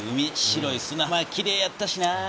白いすなはまきれいやったしな。